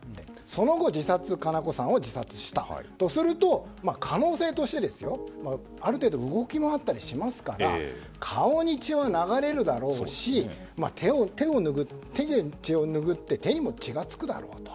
その後、佳菜子さんが自殺したとすると可能性として、ある程度動き回ったりしますから顔に血は流れるだろうし手で血をぬぐうから手にも血が付くだろうと。